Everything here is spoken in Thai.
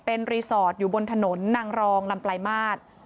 เป็นรีสอร์ทอยู่บนถนนนางรองลำปลายมาตร